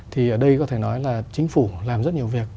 thì ở đây có thể nói là chính phủ làm rất nhiều việc